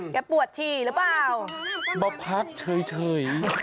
ปวดฉี่หรือเปล่ามาพักเฉย